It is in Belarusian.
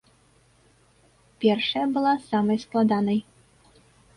Першая была самай складанай.